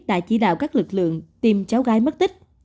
đã chỉ đạo các lực lượng tìm cháu gái mất tích